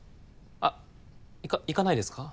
あっ行かないですか？